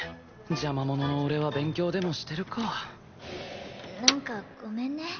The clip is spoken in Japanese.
邪魔者の俺は勉強でもしてるかなんかごめんね。